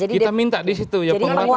kita minta di situ ya pemerintah